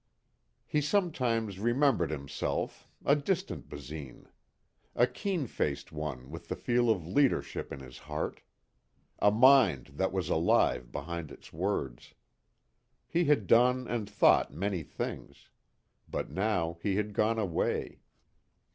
He sometimes remembered himself a distant Basine. A keen faced one with the feel of leadership in his heart. A mind that was alive behind its words. He had done and thought many things. But now he had gone away.